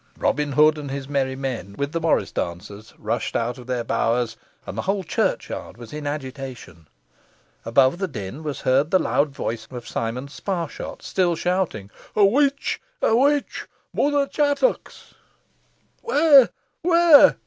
Robin Hood and his merry men, with the morris dancers, rushed out of their bowers, and the whole churchyard was in agitation. Above the din was heard the loud voice of Simon Sparshot, still shouting, "A witch! witch! Mother Chattox!" "Where where?"